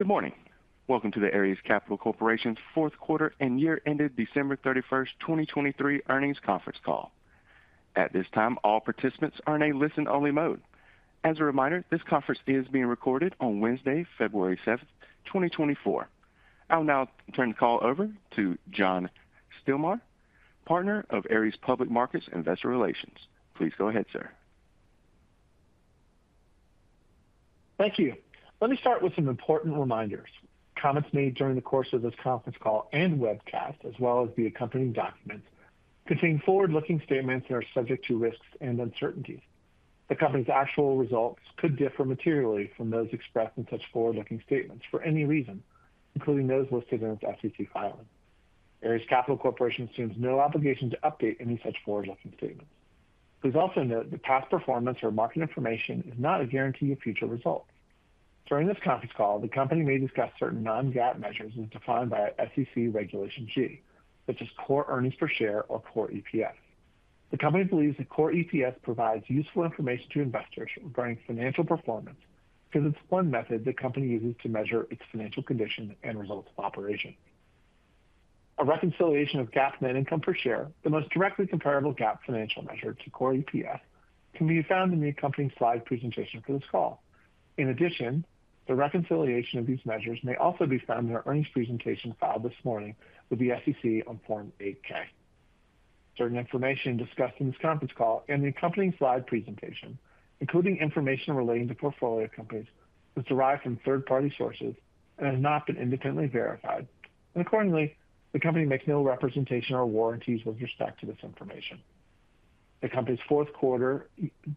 Good morning. Welcome to the Ares Capital Corporation's fourth quarter and year-end December 31, 2023 earnings conference call. At this time, all participants are in a listen-only mode. As a reminder, this conference is being recorded on Wednesday, February 7, 2024. I'll now turn the call over to John Stilmar, Partner of Ares Public Markets and Investor Relations. Please go ahead, sir. Thank you. Let me start with some important reminders. Comments made during the course of this conference call and webcast, as well as the accompanying documents, contain forward-looking statements and are subject to risks and uncertainties. The company's actual results could differ materially from those expressed in such forward-looking statements for any reason, including those listed in its SEC filing. Ares Capital Corporation assumes no obligation to update any such forward-looking statements. Please also note that past performance or market information is not a guarantee of future results. During this conference call, the company may discuss certain non-GAAP measures as defined by SEC Regulation G, such as core earnings per share or Core EPS. The company believes that Core EPS provides useful information to investors regarding financial performance because it's one method the company uses to measure its financial condition and results of operation. A reconciliation of GAAP net income per share, the most directly comparable GAAP financial measure to Core EPS, can be found in the accompanying slide presentation for this call. In addition, the reconciliation of these measures may also be found in our earnings presentation filed this morning with the SEC on Form 8-K. Certain information discussed in this conference call and the accompanying slide presentation, including information relating to portfolio companies, is derived from third-party sources and has not been independently verified. And accordingly, the company makes no representation or warranties with respect to this information. The company's fourth quarter,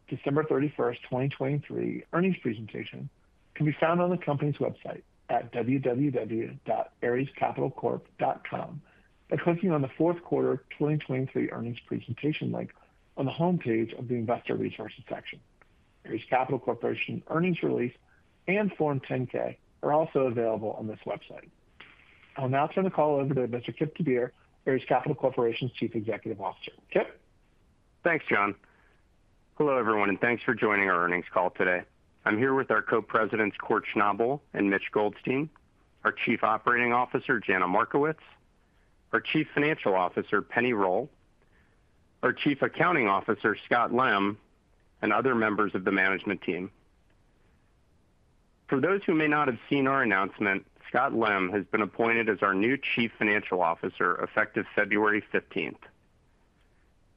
December 31, 2023 earnings presentation can be found on the company's website at www.arescapitalcorp.com by clicking on the fourth quarter 2023 earnings presentation link on the homepage of the Investor Resources section. Ares Capital Corporation earnings release and Form 10-K are also available on this website. I'll now turn the call over to Mr. Kipp deVeer, Ares Capital Corporation's Chief Executive Officer. Kipp? Thanks, John. Hello, everyone, and thanks for joining our earnings call today. I'm here with our Co-Presidents, Kort Schnabel and Mitchell Goldstein, our Chief Operating Officer, Jana Markowicz, our Chief Financial Officer, Penni Roll, our Chief Accounting Officer, Scott Lem, and other members of the management team. For those who may not have seen our announcement, Scott Lem has been appointed as our new Chief Financial Officer, effective February fifteenth.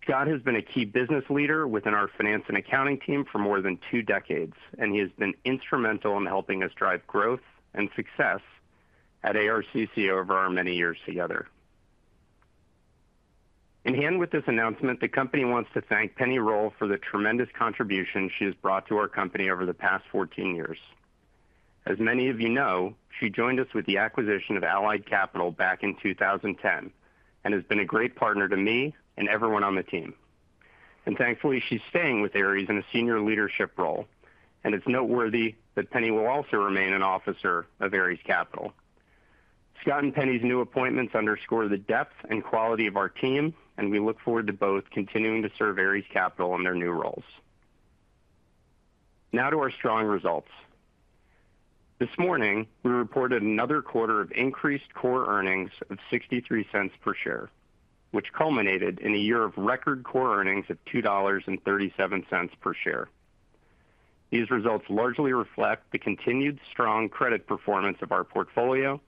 Scott has been a key business leader within our finance and accounting team for more than two decades, and he has been instrumental in helping us drive growth and success at ARCC over our many years together. In hand with this announcement, the company wants to thank Penni Roll for the tremendous contribution she has brought to our company over the past 14 years. As many of you know, she joined us with the acquisition of Allied Capital back in 2010, and has been a great partner to me and everyone on the team. Thankfully, she's staying with Ares in a senior leadership role, and it's noteworthy that Penni will also remain an officer of Ares Capital. Scott and Penni's new appointments underscore the depth and quality of our team, and we look forward to both continuing to serve Ares Capital in their new roles. Now to our strong results. This morning, we reported another quarter of increased core earnings of $0.63 per share, which culminated in a year of record core earnings of $2.37 per share. These results largely reflect the continued strong credit performance of our portfolio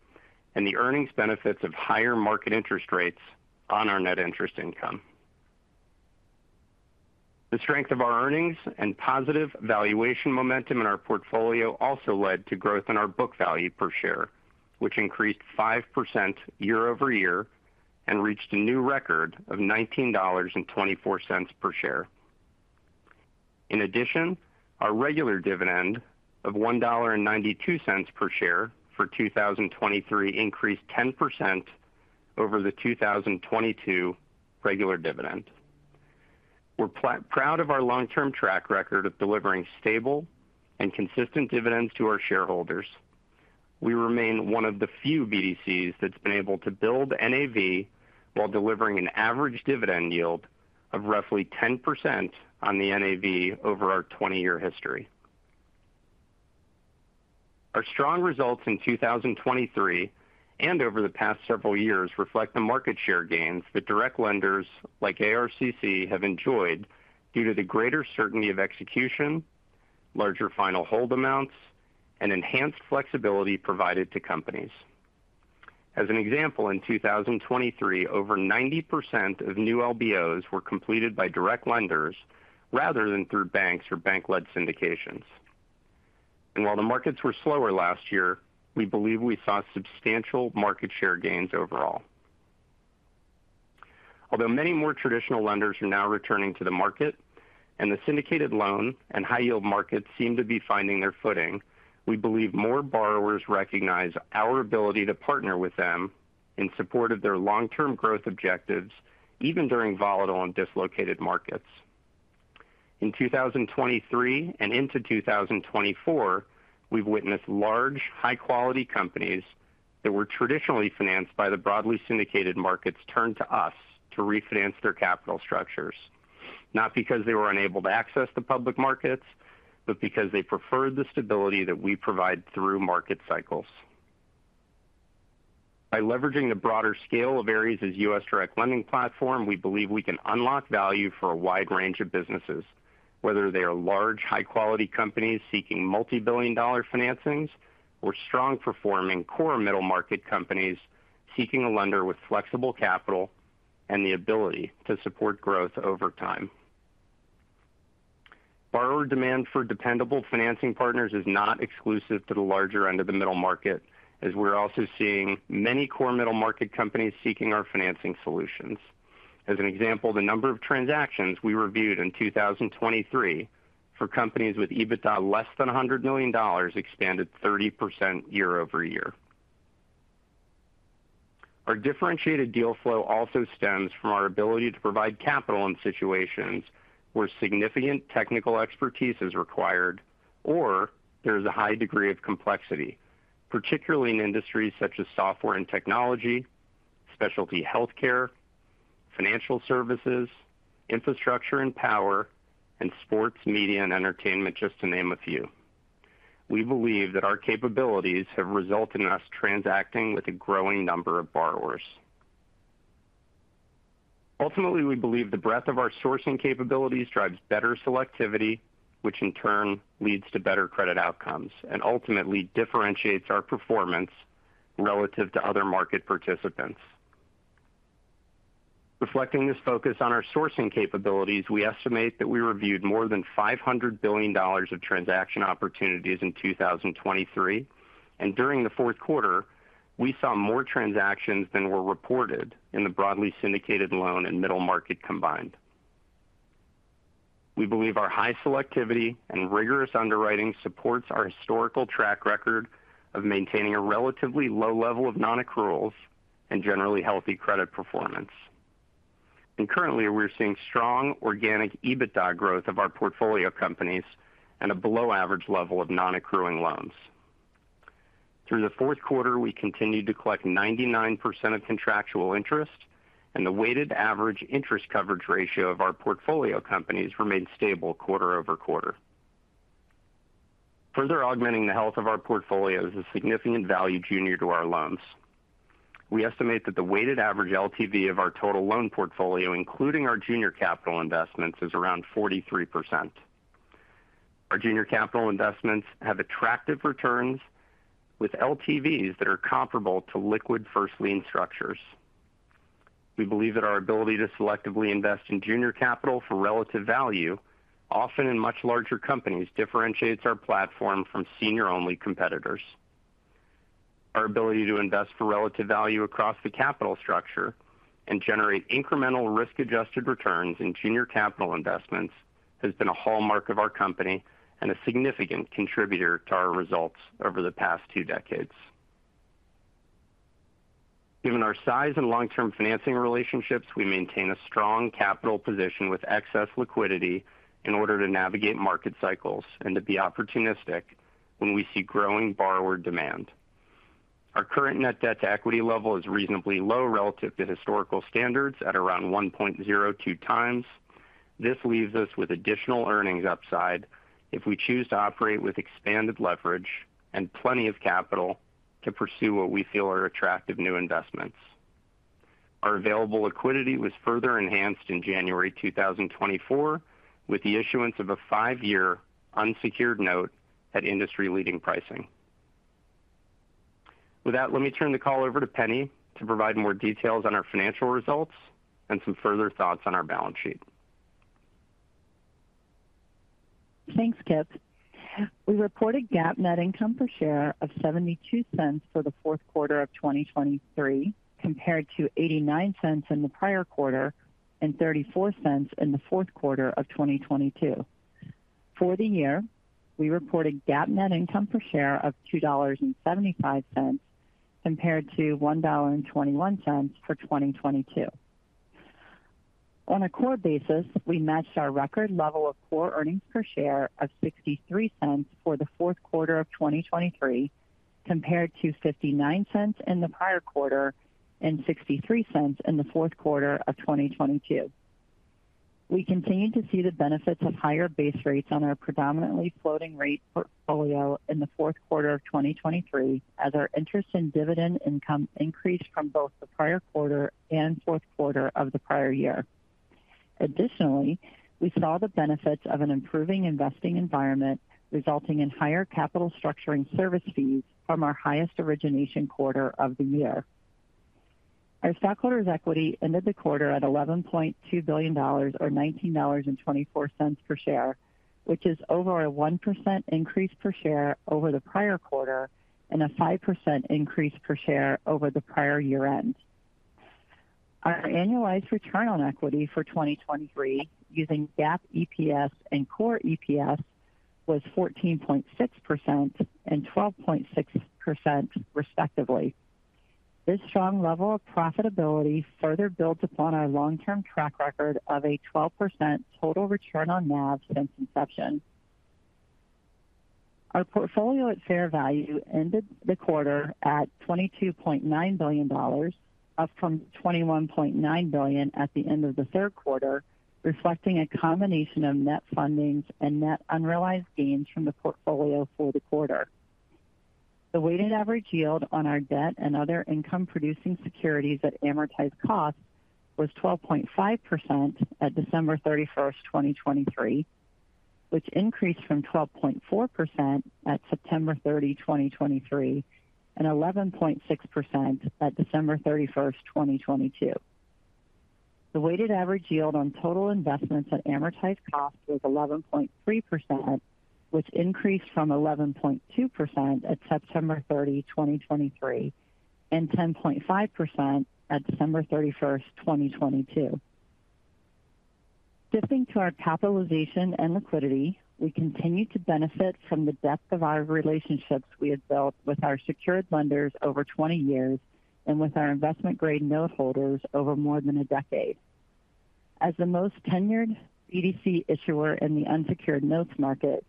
and the earnings benefits of higher market interest rates on our net interest income. The strength of our earnings and positive valuation momentum in our portfolio also led to growth in our book value per share, which increased 5% year-over-year and reached a new record of $19.24 per share. In addition, our regular dividend of $1.92 per share for 2023 increased 10% over the 2022 regular dividend. We're proud of our long-term track record of delivering stable and consistent dividends to our shareholders. We remain one of the few BDCs that's been able to build NAV while delivering an average dividend yield of roughly 10% on the NAV over our 20-year history. Our strong results in 2023, and over the past several years, reflect the market share gains that direct lenders like ARCC have enjoyed due to the greater certainty of execution, larger final hold amounts, and enhanced flexibility provided to companies. As an example, in 2023, over 90% of new LBOs were completed by direct lenders rather than through banks or bank-led syndications. While the markets were slower last year, we believe we saw substantial market share gains overall. Although many more traditional lenders are now returning to the market, and the syndicated loan and high yield markets seem to be finding their footing, we believe more borrowers recognize our ability to partner with them in support of their long-term growth objectives, even during volatile and dislocated markets. In 2023 and into 2024, we've witnessed large, high-quality companies that were traditionally financed by the broadly syndicated markets turn to us to refinance their capital structures. Not because they were unable to access the public markets, but because they preferred the stability that we provide through market cycles. By leveraging the broader scale of Ares' U.S. direct lending platform, we believe we can unlock value for a wide range of businesses. Whether they are large, high-quality companies seeking multi-billion dollar financings or strong-performing core middle-market companies seeking a lender with flexible capital and the ability to support growth over time. Borrower demand for dependable financing partners is not exclusive to the larger end of the middle market, as we're also seeing many core middle-market companies seeking our financing solutions. As an example, the number of transactions we reviewed in 2023 for companies with EBITDA less than $100 million expanded 30% year-over-year. Our differentiated deal flow also stems from our ability to provide capital in situations where significant technical expertise is required or there is a high degree of complexity, particularly in industries such as software and technology, specialty healthcare, financial services, infrastructure and power, and sports, media, and entertainment, just to name a few. We believe that our capabilities have resulted in us transacting with a growing number of borrowers. Ultimately, we believe the breadth of our sourcing capabilities drives better selectivity, which in turn leads to better credit outcomes and ultimately differentiates our performance relative to other market participants. Reflecting this focus on our sourcing capabilities, we estimate that we reviewed more than $500 billion of transaction opportunities in 2023, and during the fourth quarter, we saw more transactions than were reported in the broadly syndicated loan and middle market combined. We believe our high selectivity and rigorous underwriting supports our historical track record of maintaining a relatively low level of nonaccruals and generally healthy credit performance. Currently, we're seeing strong organic EBITDA growth of our portfolio companies and a below-average level of non accruing loans. Through the fourth quarter, we continued to collect 99% of contractual interest, and the weighted average interest coverage ratio of our portfolio companies remained stable quarter-over-quarter. Further augmenting the health of our portfolio is a significant value junior to our loans. We estimate that the weighted average LTV of our total loan portfolio, including our junior capital investments, is around 43%. Our junior capital investments have attractive returns with LTVs that are comparable to liquid first lien structures. We believe that our ability to selectively invest in junior capital for relative value, often in much larger companies, differentiates our platform from senior-only competitors. Our ability to invest for relative value across the capital structure and generate incremental risk-adjusted returns in junior capital investments has been a hallmark of our company and a significant contributor to our results over the past two decades. Given our size and long-term financing relationships, we maintain a strong capital position with excess liquidity in order to navigate market cycles and to be opportunistic when we see growing borrower demand. Our current net debt-to-equity level is reasonably low relative to historical standards at around 1.02 times. This leaves us with additional earnings upside if we choose to operate with expanded leverage and plenty of capital to pursue what we feel are attractive new investments. Our available liquidity was further enhanced in January 2024, with the issuance of a five-year unsecured note at industry-leading pricing. With that, let me turn the call over to Penni to provide more details on our financial results and some further thoughts on our balance sheet. Thanks, Kipp. We reported GAAP net income per share of $0.72 for the fourth quarter of 2023, compared to $0.89 in the prior quarter and $0.34 in the fourth quarter of 2022. For the year, we reported GAAP net income per share of $2.75, compared to $1.21 for 2022. On a core basis, we matched our record level of core earnings per share of $0.63 for the fourth quarter of 2023, compared to $0.59 in the prior quarter and $0.63 in the fourth quarter of 2022. We continued to see the benefits of higher base rates on our predominantly floating rate portfolio in the fourth quarter of 2023, as our interest and dividend income increased from both the prior quarter and fourth quarter of the prior year. Additionally, we saw the benefits of an improving investing environment, resulting in higher capital structuring service fees from our highest origination quarter of the year. Our stockholders' equity ended the quarter at $11.2 billion, or $19.24 per share, which is over a 1% increase per share over the prior quarter and a 5% increase per share over the prior year-end. Our annualized Return on Equity for 2023, using GAAP EPS and Core EPS, was 14.6% and 12.6%, respectively. This strong level of profitability further builds upon our long-term track record of a 12% total return on NAV since inception. Our portfolio at fair value ended the quarter at $22.9 billion, up from $21.9 billion at the end of the third quarter, reflecting a combination of net fundings and net unrealized gains from the portfolio for the quarter. The weighted average yield on our debt and other income-producing securities at amortized cost was 12.5% at December 31, 2023, which increased from 12.4% at September 30, 2023, and 11.6% at December 31, 2022. The weighted average yield on total investments at amortized cost was 11.3%, which increased from 11.2% at September 30, 2023, and 10.5% at December 31, 2022. Shifting to our capitalization and liquidity, we continue to benefit from the depth of our relationships we have built with our secured lenders over 20 years and with our investment-grade noteholders over more than a decade. As the most tenured BDC issuer in the unsecured notes market,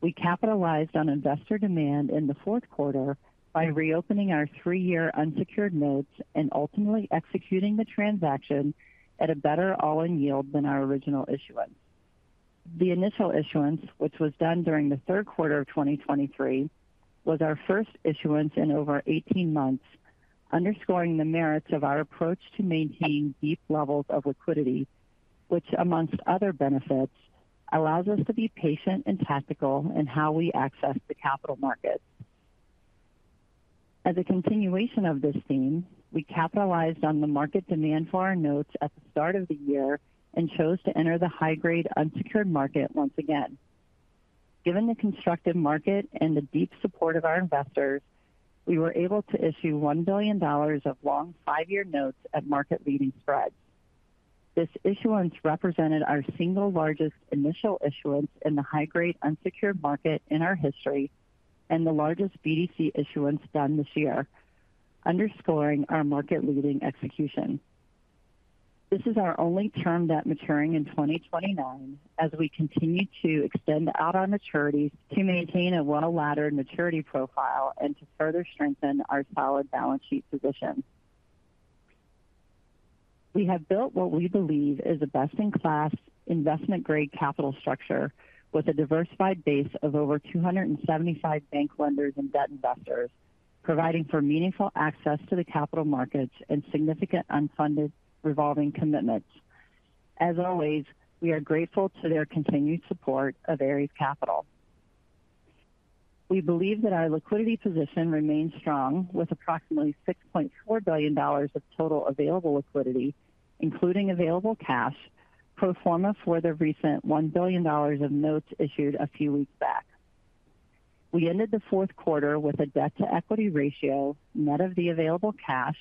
we capitalized on investor demand in the fourth quarter by reopening our 3-year unsecured notes and ultimately executing the transaction at a better all-in yield than our original issuance. The initial issuance, which was done during the third quarter of 2023, was our first issuance in over 18 months, underscoring the merits of our approach to maintaining deep levels of liquidity, which, amongst other benefits, allows us to be patient and tactical in how we access the capital markets. As a continuation of this theme, we capitalized on the market demand for our notes at the start of the year and chose to enter the high-grade unsecured market once again. Given the constructive market and the deep support of our investors, we were able to issue $1 billion of long five-year notes at market-leading spreads. This issuance represented our single largest initial issuance in the high-grade unsecured market in our history and the largest BDC issuance done this year, underscoring our market-leading execution. This is our only term debt maturing in 2029 as we continue to extend out our maturities to maintain a well-laddered maturity profile and to further strengthen our solid balance sheet position. We have built what we believe is a best-in-class investment-grade capital structure with a diversified base of over 275 bank lenders and debt investors, providing for meaningful access to the capital markets and significant unfunded revolving commitments. As always, we are grateful to their continued support of Ares Capital. We believe that our liquidity position remains strong, with approximately $6.4 billion of total available liquidity, including available cash, pro forma for the recent $1 billion of notes issued a few weeks back. We ended the fourth quarter with a debt-to-equity ratio net of the available cash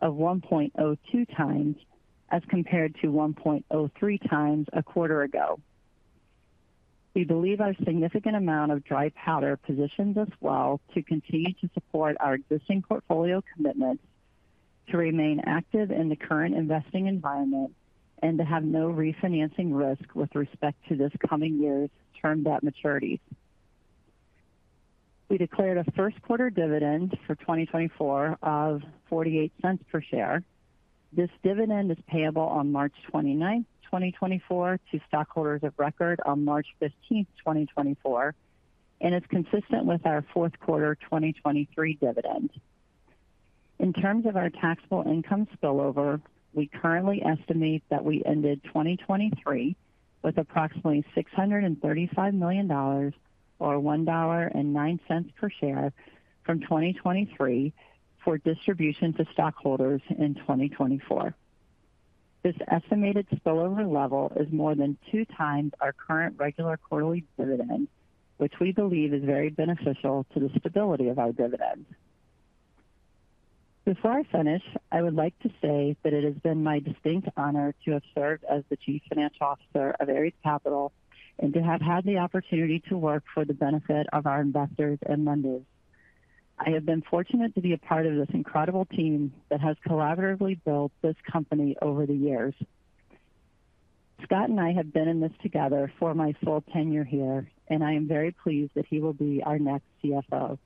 of 1.02 times, as compared to 1.03 times a quarter ago. We believe our significant amount of dry powder positions us well to continue to support our existing portfolio commitments, to remain active in the current investing environment, and to have no refinancing risk with respect to this coming year's term debt maturities. We declared a first quarter dividend for 2024 of $0.48 per share. This dividend is payable on March 29, 2024 to stockholders of record on March 15, 2024, and is consistent with our fourth quarter 2023 dividend. In terms of our taxable income spillover, we currently estimate that we ended 2023 with approximately $635 million, or $1.09 per share from 2023 for distribution to stockholders in 2024. This estimated spillover level is more than 2 times our current regular quarterly dividend, which we believe is very beneficial to the stability of our dividends. Before I finish, I would like to say that it has been my distinct honor to have served as the Chief Financial Officer of Ares Capital and to have had the opportunity to work for the benefit of our investors and lenders. I have been fortunate to be a part of this incredible team that has collaboratively built this company over the years. Scott and I have been in this together for my full tenure here, and I am very pleased that he will be our next CFO.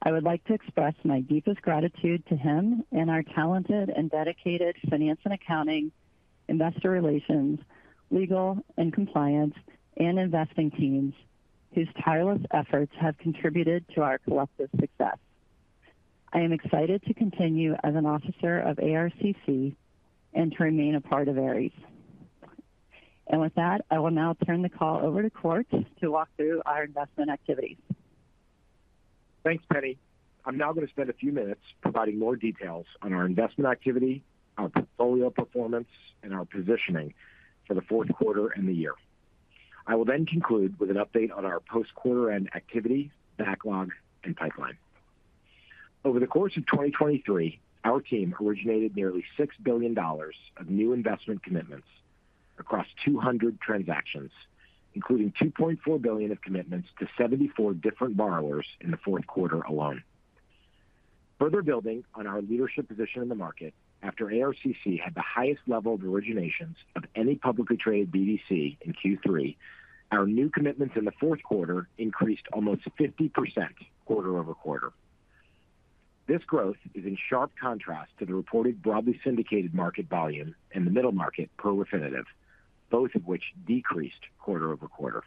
I would like to express my deepest gratitude to him and our talented and dedicated finance and accounting, investor relations, legal and compliance, and investing teams, whose tireless efforts have contributed to our collective success. I am excited to continue as an officer of ARCC and to remain a part of Ares. With that, I will now turn the call over to Kort to walk through our investment activities. Thanks, Penni. I'm now going to spend a few minutes providing more details on our investment activity, our portfolio performance, and our positioning for the fourth quarter and the year. I will then conclude with an update on our post-quarter end activity, backlog, and pipeline. Over the course of 2023, our team originated nearly $6 billion of new investment commitments across 200 transactions, including $2.4 billion of commitments to 74 different borrowers in the fourth quarter alone. Further building on our leadership position in the market, after ARCC had the highest level of originations of any publicly traded BDC in Q3, our new commitments in the fourth quarter increased almost 50% quarter-over-quarter. This growth is in sharp contrast to the reported broadly syndicated market volume in the middle market per Refinitiv, both of which decreased quarter-over-quarter.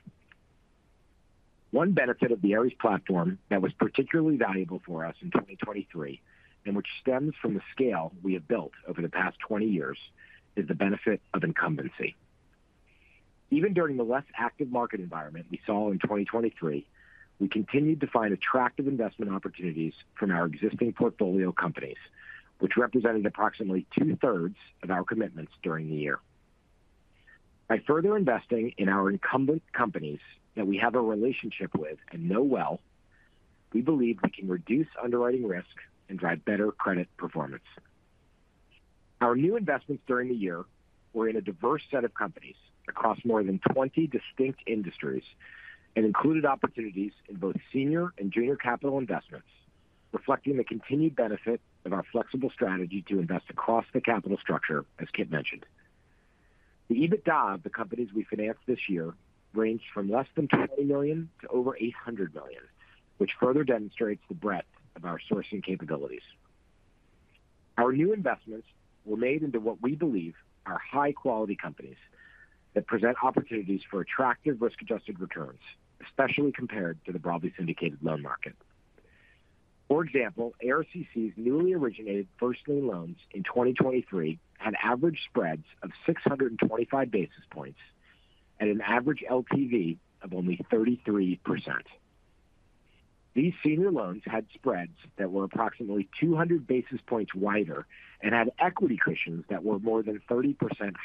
One benefit of the Ares platform that was particularly valuable for us in 2023, and which stems from the scale we have built over the past 20 years, is the benefit of incumbency. Even during the less active market environment we saw in 2023, we continued to find attractive investment opportunities from our existing portfolio companies, which represented approximately two-thirds of our commitments during the year. By further investing in our incumbent companies that we have a relationship with and know well, we believe we can reduce underwriting risk and drive better credit performance. Our new investments during the year were in a diverse set of companies across more than 20 distinct industries and included opportunities in both senior and junior capital investments, reflecting the continued benefit of our flexible strategy to invest across the capital structure, as Kipp mentioned. The EBITDA of the companies we financed this year ranged from less than $20 million to over $800 million, which further demonstrates the breadth of our sourcing capabilities. Our new investments were made into what we believe are high-quality companies that present opportunities for attractive risk-adjusted returns, especially compared to the broadly syndicated loan market. For example, ARCC's newly originated first lien loans in 2023 had average spreads of 625 basis points at an average LTV of only 33%. These senior loans had spreads that were approximately 200 basis points wider and had equity cushions that were more than 30%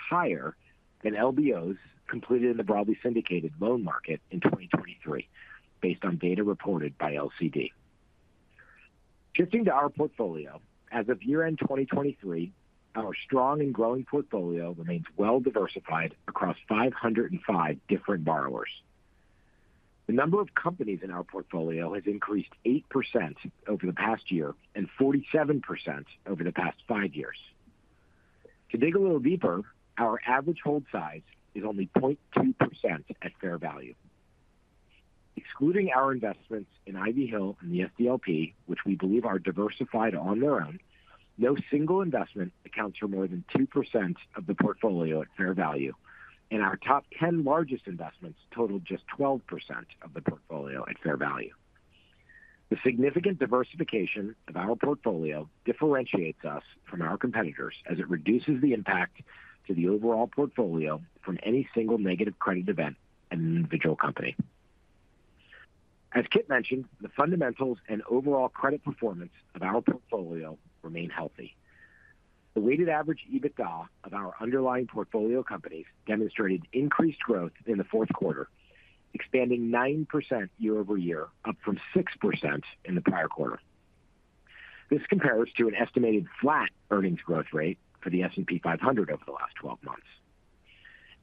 higher than LBOs completed in the broadly syndicated loan market in 2023, based on data reported by LCD. Shifting to our portfolio, as of year-end 2023, our strong and growing portfolio remains well diversified across 505 different borrowers. The number of companies in our portfolio has increased 8% over the past year and 47% over the past five years. To dig a little deeper, our average hold size is only 0.2% at fair value. Excluding our investments in Ivy Hill and the SDLP, which we believe are diversified on their own, no single investment accounts for more than 2% of the portfolio at fair value, and our top 10 largest investments total just 12% of the portfolio at fair value. The significant diversification of our portfolio differentiates us from our competitors as it reduces the impact to the overall portfolio from any single negative credit event in an individual company. As Kipp mentioned, the fundamentals and overall credit performance of our portfolio remain healthy. The weighted average EBITDA of our underlying portfolio companies demonstrated increased growth in the fourth quarter, expanding 9% year over year, up from 6% in the prior quarter. This compares to an estimated flat earnings growth rate for the S&P 500 over the last 12 months.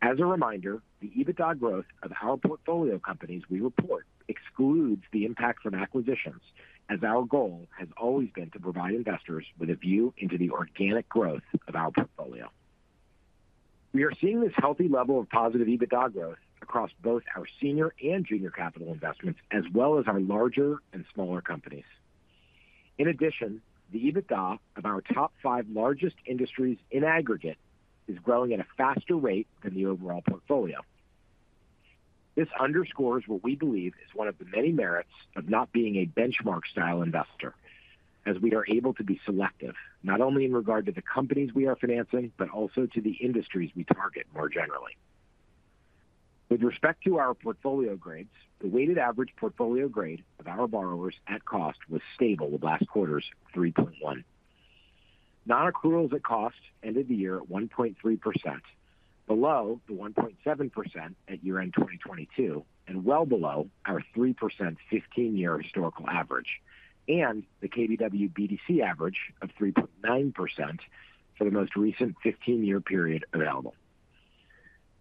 As a reminder, the EBITDA growth of our portfolio companies we report excludes the impact from acquisitions, as our goal has always been to provide investors with a view into the organic growth of our portfolio. We are seeing this healthy level of positive EBITDA growth across both our senior and junior capital investments, as well as our larger and smaller companies. In addition, the EBITDA of our top 5 largest industries in aggregate is growing at a faster rate than the overall portfolio. This underscores what we believe is one of the many merits of not being a benchmark-style investor, as we are able to be selective, not only in regard to the companies we are financing, but also to the industries we target more generally. With respect to our portfolio grades, the weighted average portfolio grade of our borrowers at cost was stable with last quarter's 3.1. Nonaccruals at cost ended the year at 1.3%, below the 1.7% at year-end 2022, and well below our 3% 15-year historical average, and the KBW BDC average of 3.9% for the most recent 15-year period available.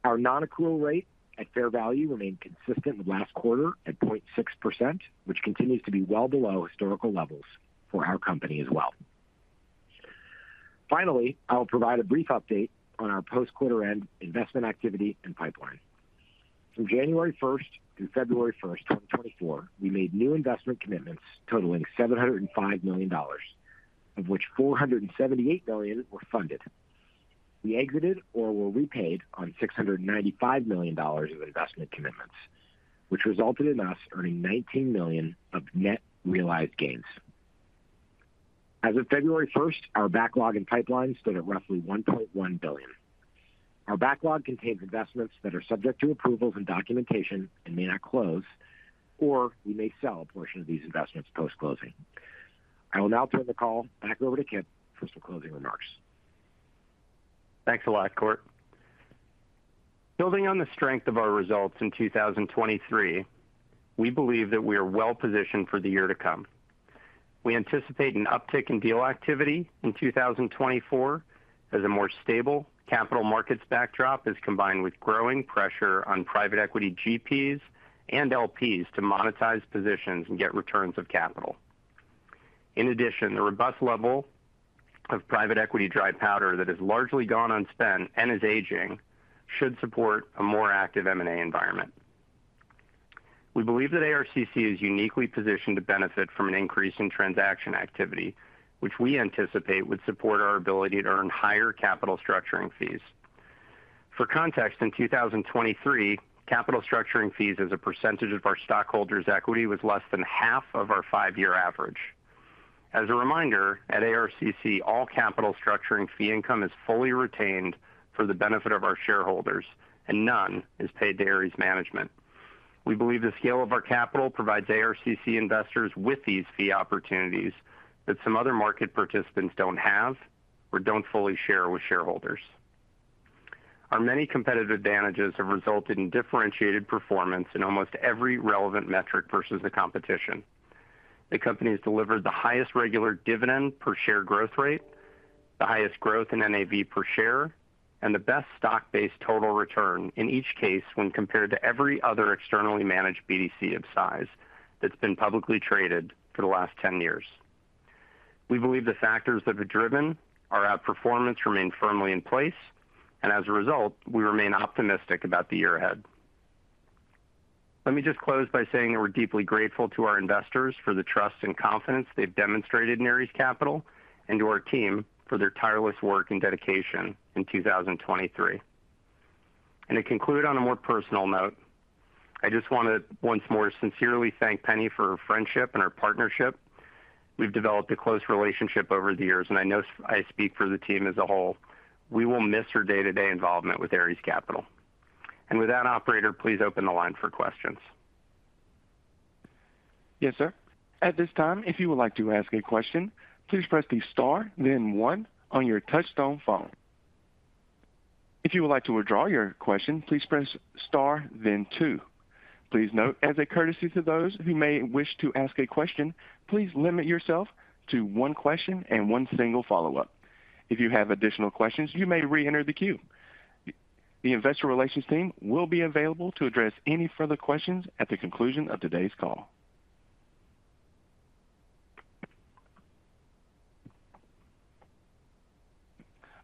Our nonaccrual rate at fair value remained consistent with last quarter at 0.6%, which continues to be well below historical levels for our company as well. Finally, I will provide a brief update on our post-quarter end investment activity and pipeline. From January 1 through February 1, 2024, we made new investment commitments totaling $705 million, of which $478 million were funded. We exited or were repaid on $695 million of investment commitments, which resulted in us earning $19 million of net realized gains. As of February 1, our backlog and pipeline stood at roughly $1.1 billion. Our backlog contains investments that are subject to approvals and documentation and may not close, or we may sell a portion of these investments post-closing. I will now turn the call back over to Kipp for some closing remarks. Thanks a lot, Kort. Building on the strength of our results in 2023, we believe that we are well positioned for the year to come. We anticipate an uptick in deal activity in 2024 as a more stable capital markets backdrop is combined with growing pressure on private equity GPs and LPs to monetize positions and get returns of capital... In addition, the robust level of private equity dry powder that has largely gone unspent and is aging, should support a more active M&A environment. We believe that ARCC is uniquely positioned to benefit from an increase in transaction activity, which we anticipate would support our ability to earn higher capital structuring fees. For context, in 2023, capital structuring fees as a percentage of our stockholders' equity was less than half of our five-year average. As a reminder, at ARCC, all capital structuring fee income is fully retained for the benefit of our shareholders, and none is paid to Ares management. We believe the scale of our capital provides ARCC investors with these fee opportunities that some other market participants don't have or don't fully share with shareholders. Our many competitive advantages have resulted in differentiated performance in almost every relevant metric versus the competition. The company has delivered the highest regular dividend per share growth rate, the highest growth in NAV per share, and the best stock-based total return in each case when compared to every other externally managed BDC of size that's been publicly traded for the last 10 years. We believe the factors that have driven our outperformance remain firmly in place, and as a result, we remain optimistic about the year ahead. Let me just close by saying that we're deeply grateful to our investors for the trust and confidence they've demonstrated in Ares Capital and to our team for their tireless work and dedication in 2023. And to conclude on a more personal note, I just want to once more sincerely thank Penni for her friendship and her partnership. We've developed a close relationship over the years, and I know I speak for the team as a whole. We will miss her day-to-day involvement with Ares Capital. And with that, operator, please open the line for questions. Yes, sir. At this time, if you would like to ask a question, please press the star, then one on your touchtone phone. If you would like to withdraw your question, please press star, then two. Please note, as a courtesy to those who may wish to ask a question, please limit yourself to one question and one single follow-up. If you have additional questions, you may reenter the queue. The investor relations team will be available to address any further questions at the conclusion of today's call.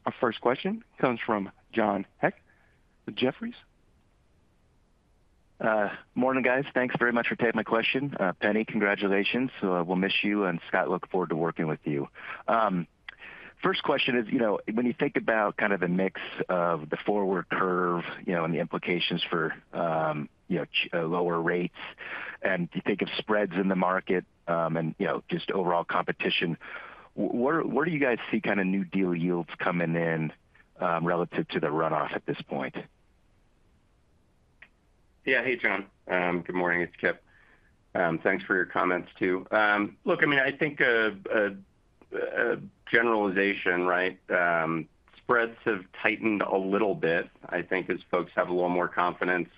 Our first question comes from John Hecht with Jefferies. Morning, guys. Thanks very much for taking my question. Penni, congratulations. We'll miss you, and Scott, look forward to working with you. First question is, you know, when you think about kind of the mix of the forward curve, you know, and the implications for, you know, lower rates, and you think of spreads in the market, and, you know, just overall competition, where, where do you guys see kind of new deal yields coming in, relative to the runoff at this point? Yeah. Hey, John. Good morning, it's Kipp. Thanks for your comments, too. Look, I mean, I think, a generalization, right, spreads have tightened a little bit, I think, as folks have a little more confidence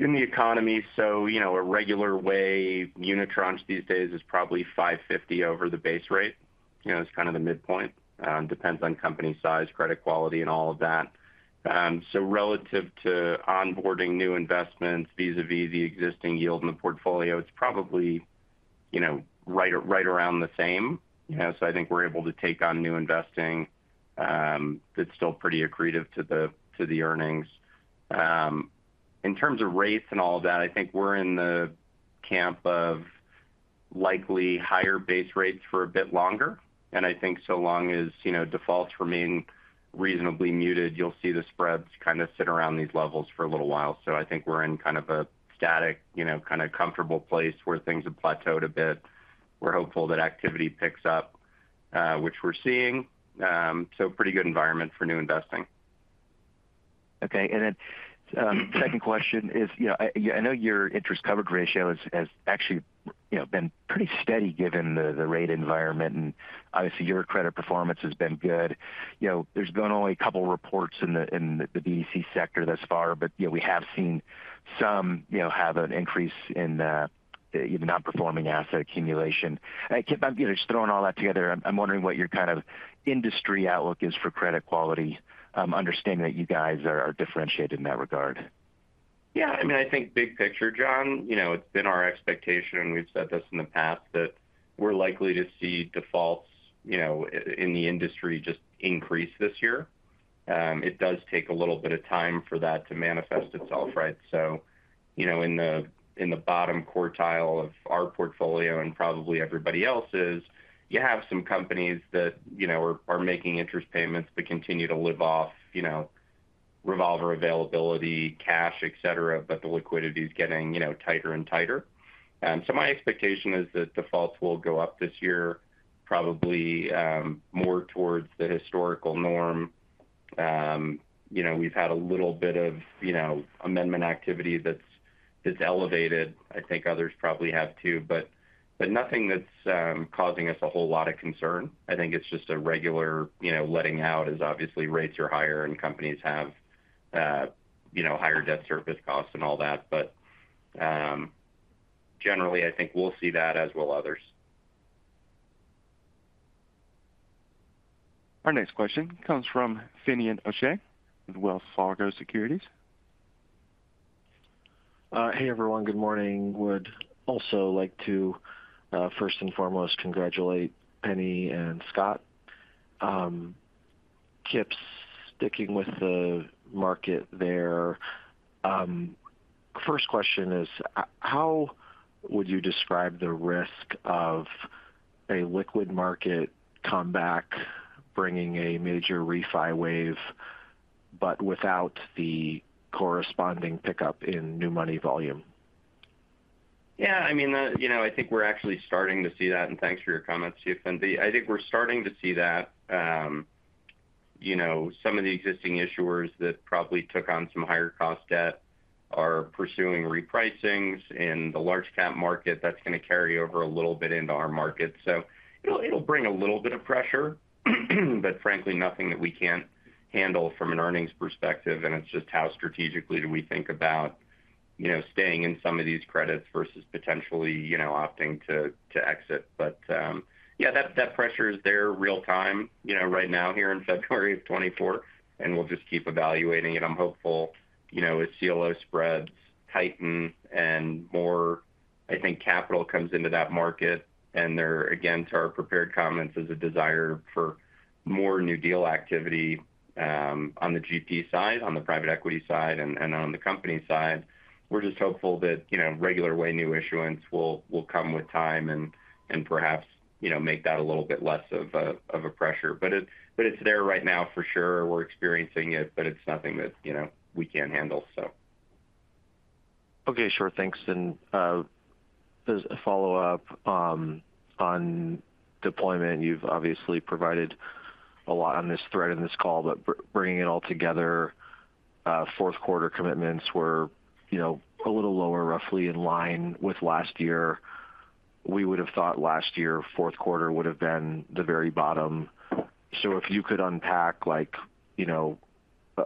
in the economy. So you know, a regular way unitranche these days is probably 550 over the base rate. You know, it's kind of the midpoint. Depends on company size, credit quality, and all of that. So relative to onboarding new investments vis-a-vis the existing yield in the portfolio, it's probably, you know, right, right around the same. You know, so I think we're able to take on new investing, that's still pretty accretive to the, to the earnings. In terms of rates and all of that, I think we're in the camp of likely higher base rates for a bit longer, and I think so long as, you know, defaults remain reasonably muted, you'll see the spreads kind of sit around these levels for a little while. So I think we're in kind of a static, you know, kind of comfortable place where things have plateaued a bit. We're hopeful that activity picks up, which we're seeing. So pretty good environment for new investing. Okay. And then, second question is, you know, I, I know your Interest Coverage Ratio has, has actually, you know, been pretty steady given the, the rate environment, and obviously, your credit performance has been good. You know, there's been only a couple reports in the, in the BDC sector thus far, but, you know, we have seen some, you know, have an increase in, even nonperforming asset accumulation. Kipp, I'm, you know, just throwing all that together, I'm wondering what your kind of industry outlook is for credit quality, understanding that you guys are, are differentiated in that regard? Yeah, I mean, I think big picture, John, you know, it's been our expectation, and we've said this in the past, that we're likely to see defaults, you know, in the industry just increase this year. It does take a little bit of time for that to manifest itself, right? So, you know, in the bottom quartile of our portfolio, and probably everybody else's, you have some companies that, you know, are making interest payments, but continue to live off, you know, revolver availability, cash, et cetera, but the liquidity is getting, you know, tighter and tighter. So my expectation is that defaults will go up this year, probably, more towards the historical norm. You know, we've had a little bit of, you know, amendment activity that's elevated. I think others probably have, too, but nothing that's causing us a whole lot of concern. I think it's just a regular, you know, letting out as obviously rates are higher and companies have, you know, higher debt service costs and all that. But generally, I think we'll see that, as will others. Our next question comes from Finian O'Shea with Wells Fargo Securities. Hey, everyone. Good morning. Would also like to, first and foremost, congratulate Penni and Scott and Kipp, sticking with the market there, first question is: how would you describe the risk of a liquid market comeback bringing a major refi wave, but without the corresponding pickup in new money volume? Yeah, I mean, you know, I think we're actually starting to see that, and thanks for your comments too, Finian. I think we're starting to see that, you know, some of the existing issuers that probably took on some higher cost debt are pursuing repricings in the large cap market. That's going to carry over a little bit into our market. So it'll, it'll bring a little bit of pressure, but frankly, nothing that we can't handle from an earnings perspective, and it's just how strategically do we think about, you know, staying in some of these credits versus potentially, you know, opting to, to exit. But, yeah, that, that pressure is there real time, you know, right now here in February 2024, and we'll just keep evaluating it. I'm hopeful, you know, as CLO spreads tighten and more, I think capital comes into that market, and there, again, to our prepared comments, is a desire for more new deal activity, on the GP side, on the private equity side, and, and on the company side. We're just hopeful that, you know, regular way new issuance will, will come with time and, and perhaps, you know, make that a little bit less of a, of a pressure. But it, but it's there right now for sure. We're experiencing it, but it's nothing that, you know, we can't handle, so... Okay, sure. Thanks. And as a follow-up on deployment, you've obviously provided a lot on this thread in this call, but bringing it all together, fourth quarter commitments were, you know, a little lower, roughly in line with last year. We would have thought last year, fourth quarter would have been the very bottom. So if you could unpack, like, you know,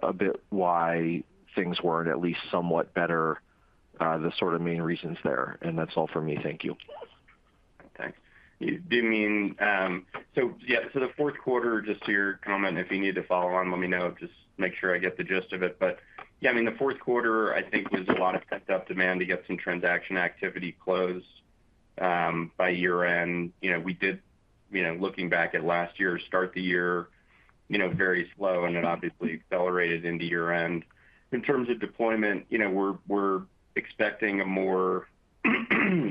a bit why things weren't at least somewhat better, the sort of main reasons there. And that's all for me. Thank you. Thanks. Do you mean... So, yeah, so the fourth quarter, just to your comment, if you need to follow on, let me know. Just make sure I get the gist of it. But yeah, I mean, the fourth quarter, I think, was a lot of pent-up demand to get some transaction activity closed by year-end. You know, we did, you know, looking back at last year, start the year, you know, very slow, and it obviously accelerated into year-end. In terms of deployment, you know, we're expecting a more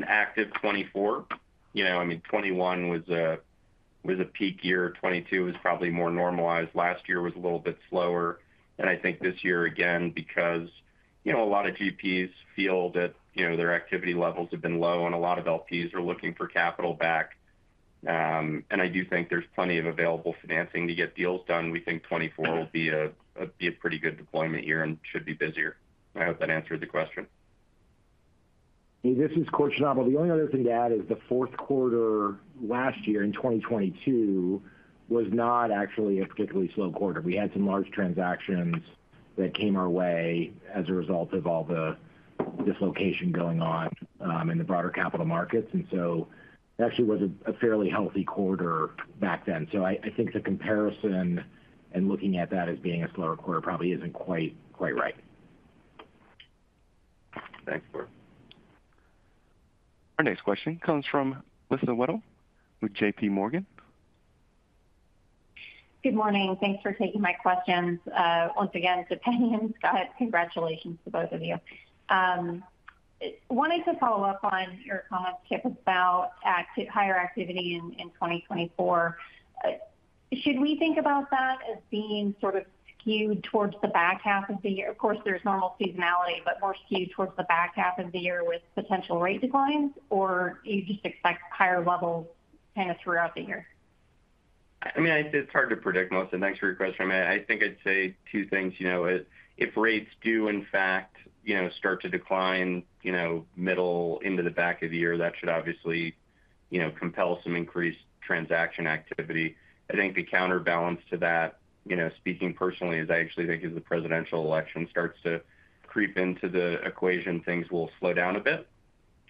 active 2024. You know, I mean, 2021 was a peak year. 2022 was probably more normalized. Last year was a little bit slower. And I think this year, again, because, you know, a lot of GPs feel that, you know, their activity levels have been low, and a lot of LPs are looking for capital back. And I do think there's plenty of available financing to get deals done. We think 2024 will be a pretty good deployment year and should be busier. I hope that answered the question. This is Kort Schnabel. The only other thing to add is the fourth quarter last year in 2022 was not actually a particularly slow quarter. We had some large transactions that came our way as a result of all the dislocation going on in the broader capital markets, and so it actually was a fairly healthy quarter back then. So I think the comparison and looking at that as being a slower quarter probably isn't quite right. Thanks, kort. Our next question comes from Melissa Wedel with JP Morgan. Good morning. Thanks for taking my questions. Once again, to Penni and Scott, congratulations to both of you. Wanting to follow up on your comments, Kip, about higher activity in 2024. Should we think about that as being sort of skewed towards the back half of the year? Of course, there's normal seasonality, but more skewed towards the back half of the year with potential rate declines, or do you just expect higher levels kind of throughout the year? I mean, it's, it's hard to predict, Melissa. Thanks for your question. I think I'd say two things. You know, if rates do, in fact, you know, start to decline, you know, middle into the back of the year, that should obviously, you know, compel some increased transaction activity. I think the counterbalance to that, you know, speaking personally, is I actually think as the presidential election starts to creep into the equation, things will slow down a bit.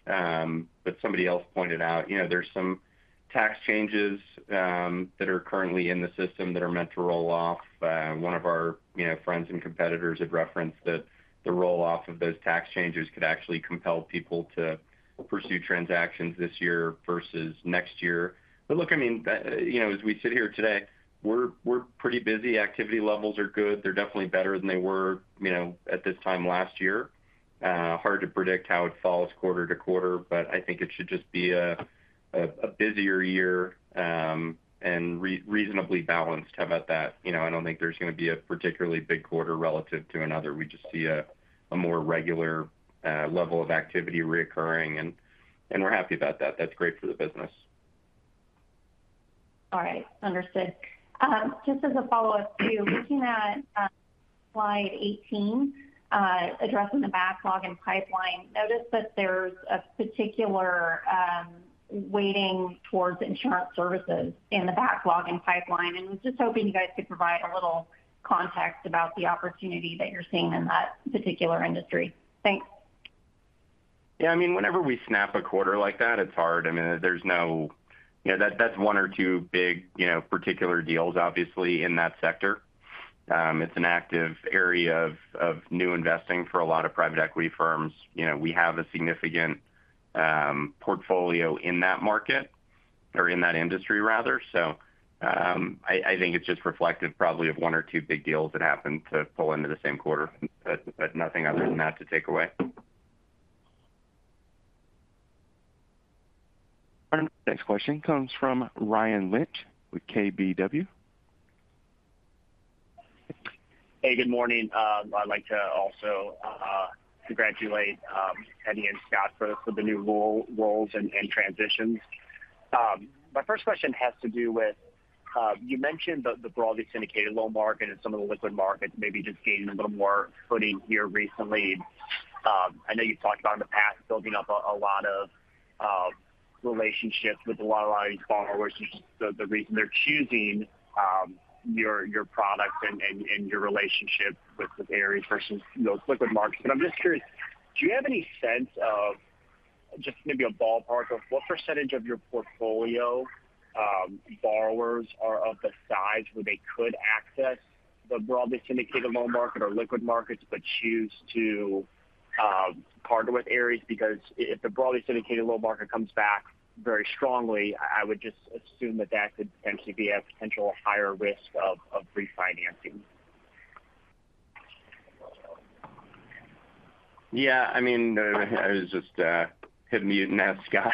But somebody else pointed out, you know, there's some tax changes that are currently in the system that are meant to roll off. One of our, you know, friends and competitors had referenced that the roll-off of those tax changes could actually compel people to pursue transactions this year versus next year. But look, I mean, you know, as we sit here today, we're, we're pretty busy. Activity levels are good. They're definitely better than they were, you know, at this time last year. Hard to predict how it falls quarter to quarter, but I think it should just be a busier year, and reasonably balanced how about that? You know, I don't think there's going to be a particularly big quarter relative to another. We just see a more regular level of activity reoccurring, and we're happy about that. That's great for the business. All right. Understood. Just as a follow-up, too, looking at slide 18, addressing the backlog and pipeline, noticed that there's a particular weighting towards insurance services in the backlog and pipeline, and was just hoping you guys could provide a little context about the opportunity that you're seeing in that particular industry. Thanks. Yeah, I mean, whenever we snap a quarter like that, it's hard. I mean, there's no. You know, that, that's one or two big, you know, particular deals, obviously, in that sector. It's an active area of new investing for a lot of private equity firms. You know, we have a significant portfolio in that market or in that industry rather. So, I think it's just reflective probably of one or two big deals that happened to pull into the same quarter, but nothing other than that to take away. Our next question comes from Ryan Lynch with KBW. Hey, good morning. I'd like to also congratulate Penni and Scott for the new roles and transitions. My first question has to do with you mentioned the broadly syndicated loan market and some of the liquid markets maybe just gaining a little more footing here recently. I know you've talked about in the past building up a lot of relationships with a lot of borrowers. The reason they're choosing your products and your relationship with Ares versus, you know, liquid markets. But I'm just curious, do you have any sense of just maybe a ballpark of what percentage of your portfolio borrowers are of the size where they could access the broadly syndicated loan market or liquid markets, but choose to partner with Ares? Because if the broadly syndicated loan market comes back very strongly, I would just assume that that could potentially be a potential higher risk of refinancing. Yeah, I mean, I was just hit mute and ask Scott.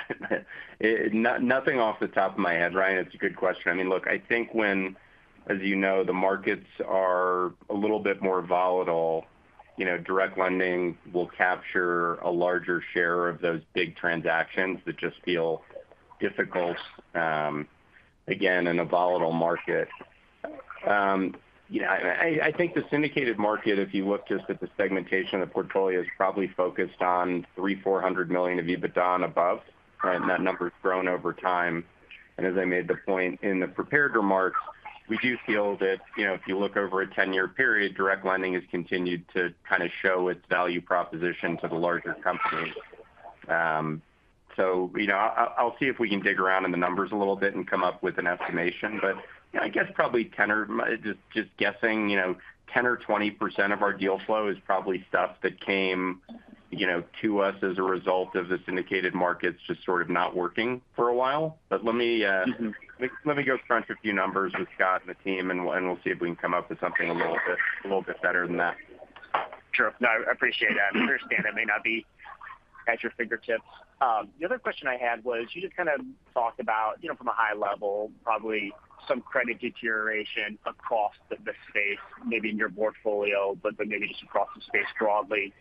Nothing off the top of my head, Ryan. It's a good question. I mean, look, I think when, as you know, the markets are a little bit more volatile, you know, direct lending will capture a larger share of those big transactions that just feel difficult, again, in a volatile market. Yeah, I think the syndicated market, if you look just at the segmentation of the portfolio, is probably focused on 300-400 million of EBITDA and above, right? And that number has grown over time. And as I made the point in the prepared remarks, we do feel that, you know, if you look over a ten-year period, direct lending has continued to kind of show its value proposition to the larger companies. So, you know, I'll see if we can dig around in the numbers a little bit and come up with an estimation. But, you know, I guess probably 10%-20% of our deal flow is probably stuff that came, you know, to us as a result of the syndicated markets just sort of not working for a while. But let me go crunch a few numbers with Scott and the team, and we'll see if we can come up with something a little bit better than that. Sure. No, I appreciate that. I understand it may not be at your fingertips. The other question I had was, you just kind of talked about, you know, from a high level, probably some credit deterioration across the space, maybe in your portfolio, but maybe just across the space broadly.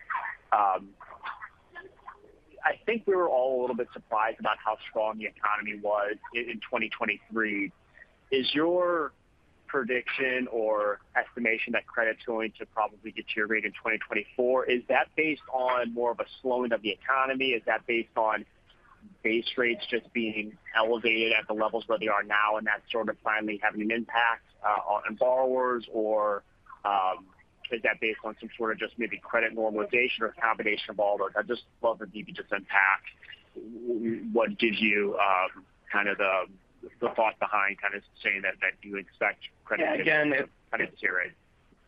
I think we were all a little bit surprised about how strong the economy was in 2023. Is your prediction or estimation that credit is going to probably deteriorate in 2024? Is that based on more of a slowing of the economy? Is that based on base rates just being elevated at the levels where they are now, and that sort of finally having an impact on borrowers? Or, is that based on some sort of just maybe credit normalization or a combination of all those? I'd just love for you to just unpack what gives you kind of the thought behind kind of saying that you expect credit- Yeah, again Credit to deteriorate.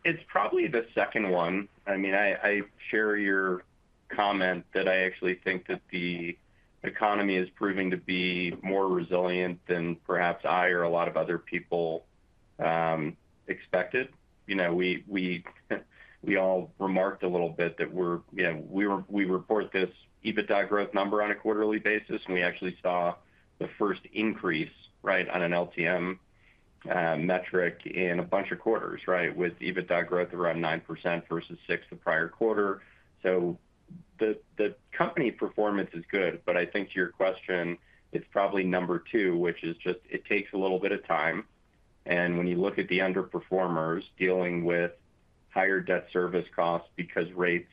It's probably the second one. I mean, I, I share your comment that I actually think that the economy is proving to be more resilient than perhaps I or a lot of other people expected. You know, we, we, we all remarked a little bit that you know, we report this EBITDA growth number on a quarterly basis, and we actually saw the first increase, right, on an LTM metric in a bunch of quarters, right, with EBITDA growth around 9% versus 6% the prior quarter. So the company performance is good, but I think to your question, it's probably number two, which is just it takes a little bit of time. When you look at the underperformers dealing with higher debt service costs, because rates,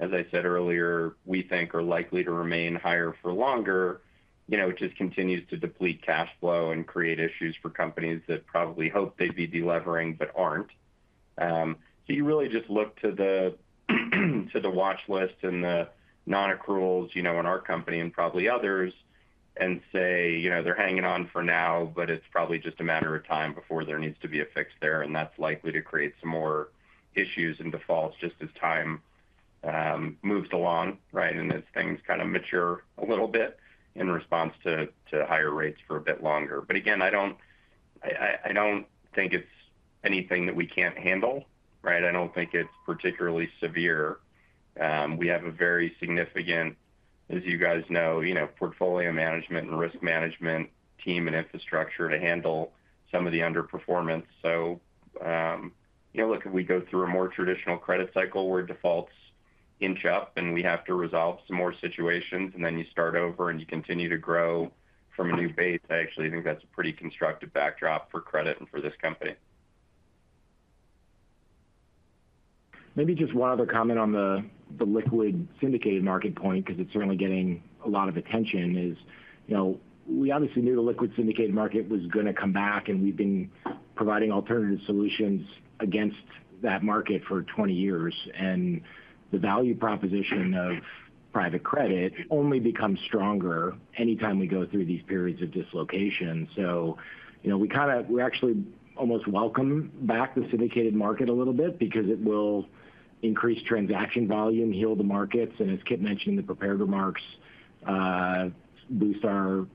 as I said earlier, we think are likely to remain higher for longer, you know, it just continues to deplete cash flow and create issues for companies that probably hope they'd be delevering, but aren't. So you really just look to the watch list and the non-accruals, you know, in our company and probably others, and say, "You know, they're hanging on for now, but it's probably just a matter of time before there needs to be a fix there," and that's likely to create some more issues and defaults just as time moves along, right? As things kind of mature a little bit in response to higher rates for a bit longer. But again, I don't think it's anything that we can't handle, right? I don't think it's particularly severe. We have a very significant, as you guys know, you know, portfolio management and risk management team and infrastructure to handle some of the underperformance. So, you know, look, if we go through a more traditional credit cycle where defaults inch up and we have to resolve some more situations, and then you start over and you continue to grow from a new base, I actually think that's a pretty constructive backdrop for credit and for this company.... Maybe just one other comment on the liquid syndicated market point, because it's certainly getting a lot of attention, is, you know, we obviously knew the liquid syndicated market was going to come back, and we've been providing alternative solutions against that market for 20 years. The value proposition of private credit only becomes stronger anytime we go through these periods of dislocation. So you know, we actually almost welcome back the syndicated market a little bit because it will increase transaction volume, heal the markets, and as Kip mentioned in the prepared remarks, boost our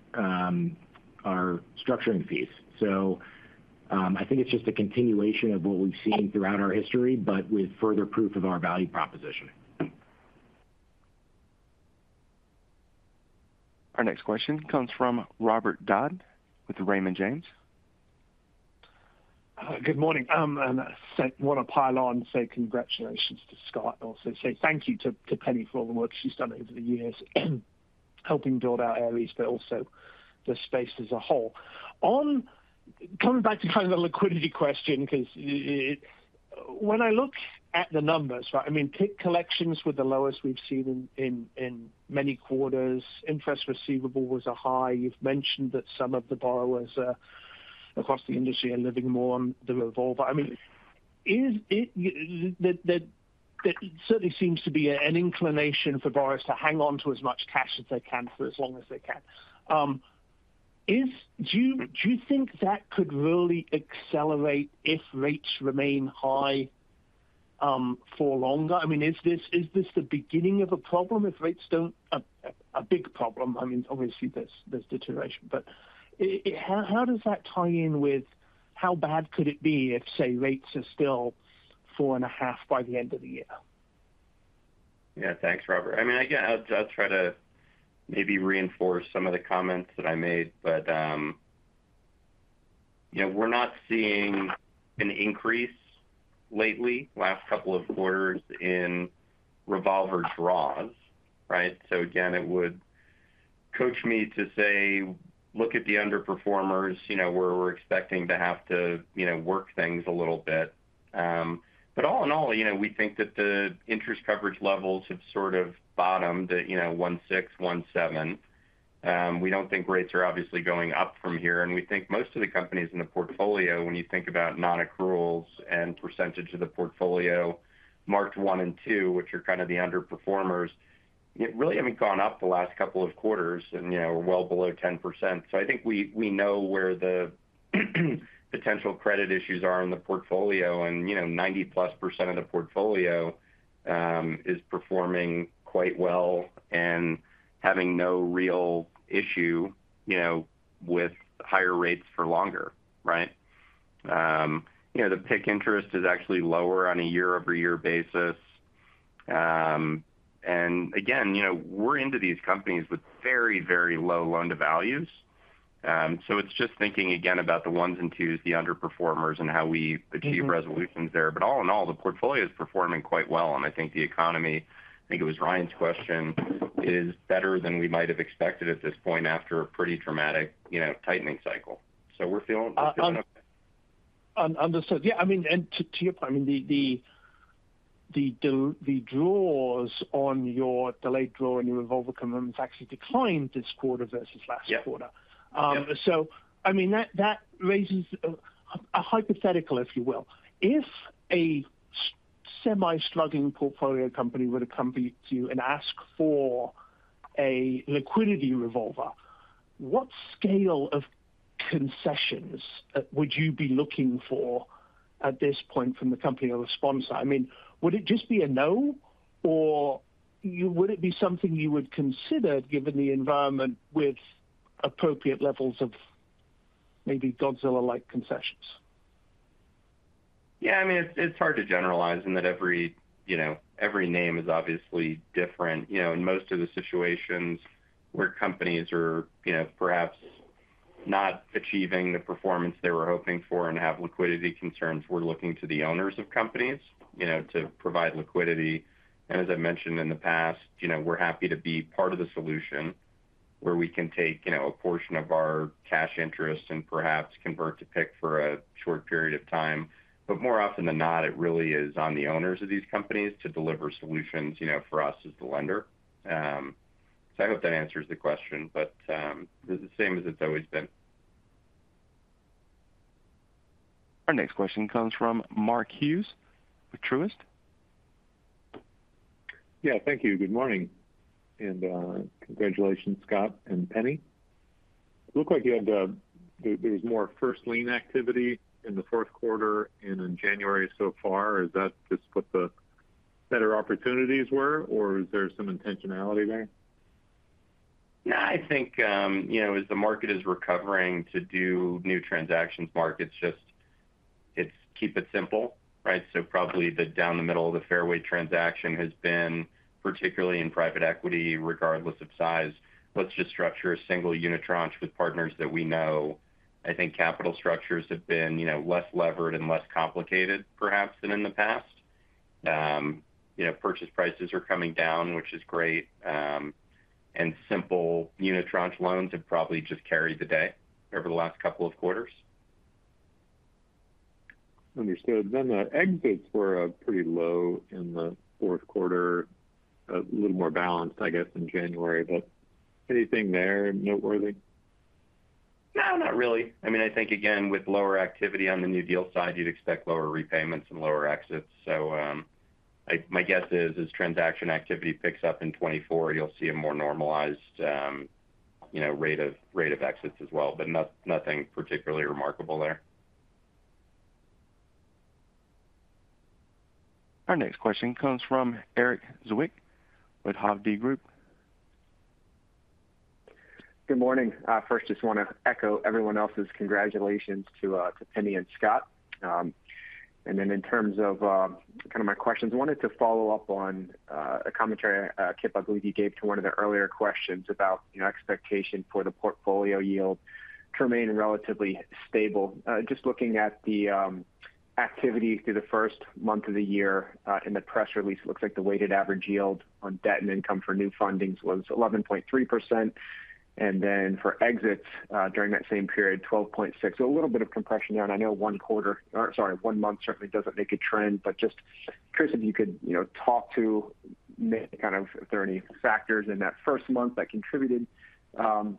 structuring fees. So, I think it's just a continuation of what we've seen throughout our history, but with further proof of our value proposition. Our next question comes from Robert Dodd with Raymond James. Good morning. And I want to pile on, say congratulations to Scott, and also say thank you to Penni for all the work she's done over the years, helping build out Ares, but also the space as a whole. On coming back to the liquidity question, cause it when I look at the numbers, I mean, [pick] collections were the lowest we've seen in many quarters. Interest receivable was a high. You've mentioned that some of the borrowers across the industry are living more on the revolver. I mean, there certainly seems to be an inclination for borrowers to hang on to as much cash as they can for as long as they can. Do you think that could really accelerate if rates remain high for longer? I mean, is this the beginning of a problem if rates don't, a big problem? I mean, obviously, there's deterioration. But, how does that tie in with how bad could it be if, say, rates are still 4.5 by the end of the year? Yeah, thanks, Robert. I mean, again, I'll try to maybe reinforce some of the comments that I made. But, you know, we're not seeing an increase lately, last couple of quarters, in revolver draws, right? So again, it would coach me to say, look at the underperformers, you know, where we're expecting to have to, you know, work things a little bit. But all in all, you know, we think that the interest coverage levels have sort of bottomed at, you know, 1.6, 1.7. We don't think rates are obviously going up from here, and we think most of the companies in the portfolio, when you think about non-accruals and percentage of the portfolio, marked one and two, which are kind of the underperformers, it really haven't gone up the last couple of quarters, and, you know, we're well below 10%. So I think we know where the potential credit issues are in the portfolio, and, you know, 90+% of the portfolio is performing quite well and having no real issue, you know, with higher rates for longer, right? You know, the PIK interest is actually lower on a year-over-year basis. And again, you know, we're into these companies with very, very low loan-to-values. So it's just thinking again about the ones and twos, the underperformers, and how we achieve resolutions there. But all in all, the portfolio is performing quite well, and I think the economy, I think it was Ryan's question, is better than we might have expected at this point after a pretty dramatic, you know, tightening cycle. So we're feeling okay. Understood. Yeah, I mean, and to your point, I mean, the draws on your delayed draw and your revolver commitments actually declined this quarter versus last quarter. Yeah. So I mean, that raises a hypothetical, if you will. If a semi-slugging portfolio company were to come to you and ask for a liquidity revolver, what scale of concessions would you be looking for at this point from the company or sponsor? I mean, would it just be a no, or would it be something you would consider given the environment with appropriate levels of maybe Godzilla-like concessions? Yeah, I mean, it's, it's hard to generalize in that every, you know, every name is obviously different. You know, in most of the situations where companies are, you know, perhaps not achieving the performance they were hoping for and have liquidity concerns, we're looking to the owners of companies, you know, to provide liquidity. And as I mentioned in the past, you know, we're happy to be part of the solution where we can take, you know, a portion of our cash interest and perhaps convert to PIK for a short period of time. But more often than not, it really is on the owners of these companies to deliver solutions, you know, for us as the lender. So I hope that answers the question, but it's the same as it's always been. Our next question comes from Mark Hughes with Truist. Yeah, thank you. Good morning, and congratulations, Scott and Penni. Looked like there was more first lien activity in the fourth quarter and in January so far. Is that just what the better opportunities were, or is there some intentionality there? Yeah, I think, you know, as the market is recovering to do new transactions, Mark, it's just keep it simple, right? So probably the down the middle of the fairway transaction has been, particularly in private equity, regardless of size. Let's just structure a single unitranche with partners that we know. I think capital structures have been, you know, less levered and less complicated, perhaps, than in the past. You know, purchase prices are coming down, which is great, and simple unitranche loans have probably just carried the day over the last couple of quarters. Understood. Then the exits were pretty low in the fourth quarter. A little more balanced, I guess, in January, but anything there noteworthy? No, not really. I mean, I think, again, with lower activity on the new deal side, you'd expect lower repayments and lower exits. So, my guess is, as transaction activity picks up in 2024, you'll see a more normalized, you know, rate of, rate of exits as well, but nothing particularly remarkable there. Our next question comes from Eric Zwick with Hovde Group. Good morning. First, just want to echo everyone else's congratulations to Penni and Scott. And then in terms of kind of my questions, I wanted to follow up on a commentary, Kipp, I believe you gave to one of the earlier questions about, you know, expectation for the portfolio yield remaining relatively stable. Just looking at the activity through the first month of the year, in the press release, it looks like the weighted average yield on debt and income for new fundings was 11.3%. And then for exits, during that same period, 12.6. So a little bit of compression there, and I know one quarter, or sorry, one month certainly doesn't make a trend. But just, Chris, if you could, you know, talk to kind of if there are any factors in that first month that contributed to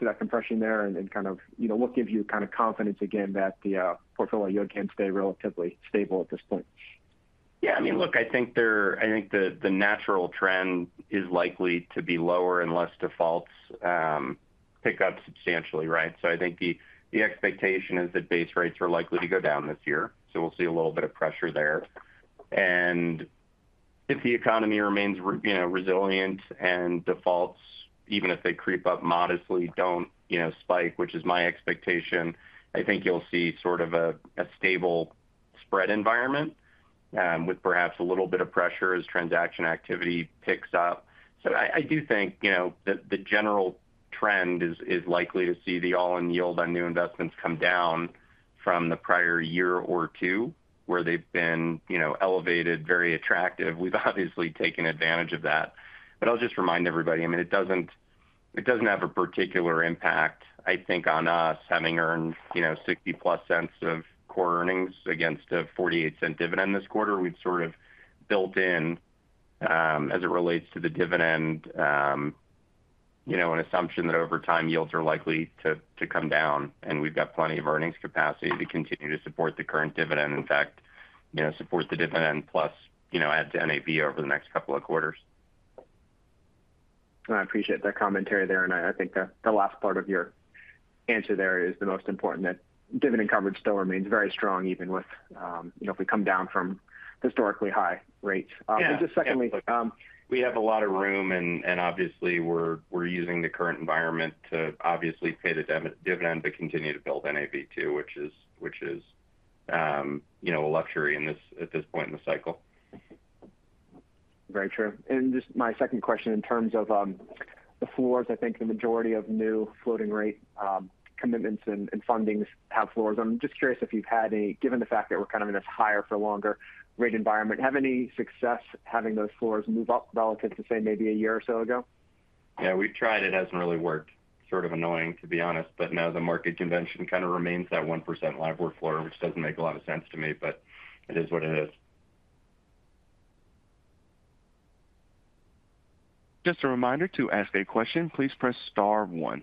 that compression there and, and kind of, you know, what gives you kind of confidence again, that the portfolio yield can stay relatively stable at this point? Yeah, I mean, look, I think there. I think the natural trend is likely to be lower unless defaults pick up substantially, right? So I think the expectation is that base rates are likely to go down this year, so we'll see a little bit of pressure there. And if the economy remains, you know, resilient and defaults, even if they creep up modestly, don't, you know, spike, which is my expectation, I think you'll see sort of a stable spread environment with perhaps a little bit of pressure as transaction activity picks up. So I do think, you know, that the general trend is likely to see the all-in yield on new investments come down from the prior year or two, where they've been, you know, elevated, very attractive. We've obviously taken advantage of that. But I'll just remind everybody, I mean, it doesn't, it doesn't have a particular impact, I think, on us having earned, you know, $0.60+ of core earnings against a $0.48 dividend this quarter. We've sort of built in, as it relates to the dividend, you know, an assumption that over time, yields are likely to, to come down, and we've got plenty of earnings capacity to continue to support the current dividend. In fact, you know, support the dividend plus, you know, add to NAV over the next couple of quarters. I appreciate that commentary there, and I think the last part of your answer there is the most important, that dividend coverage still remains very strong, even with, you know, if we come down from historically high rates. Yeah. Just secondly, We have a lot of room, and obviously, we're using the current environment to obviously pay the dividend, but continue to build NAV, too, which is, you know, a luxury in this, at this point in the cycle. Very true. And just my second question, in terms of the floors, I think the majority of new floating rate commitments and funding's have floors. I'm just curious if you've had a given the fact that we're kind of in this higher for longer rate environment, have any success having those floors move up relative to, say, maybe a year or so ago? Yeah, we've tried. It hasn't really worked. Sort of annoying, to be honest. But no, the market convention kind of remains that 1% LIBOR floor, which doesn't make a lot of sense to me, but it is what it is. Just a reminder, to ask a question, please press star one.